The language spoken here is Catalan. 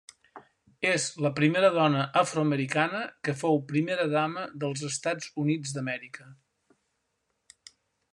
És la primera dona afroamericana que fou Primera dama dels Estats Units d'Amèrica.